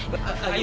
terima kasih mbak